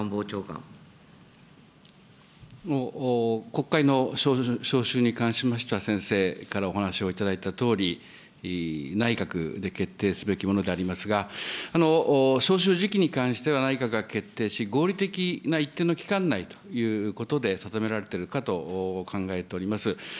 国会の召集に関しましては、先生からお話を頂いたとおり、内閣で決定すべきものでありますが、召集時期に関しては、内閣が決定し、合理的な一定の期間内ということで定められているかと考えております。